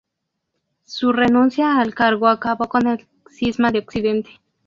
Su renuncia al cargo acabó con el Cisma de Occidente.